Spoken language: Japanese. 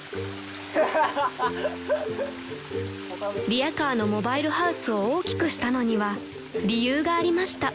［リヤカーのモバイルハウスを大きくしたのには理由がありました］